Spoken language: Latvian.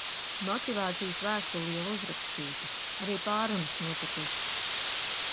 Motivācijas vēstule jau uzrakstīta. Arī pārrunas notikušas.